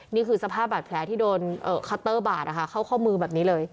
นี่คือสภาพบาดแผลที่โดนคัตเตอร์บาดนะคะเข้าข้อมือแบบนี้เลย